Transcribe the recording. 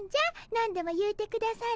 何でも言うてくだされ。